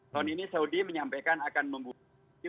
tahun ini saudi menyampaikan akan membuka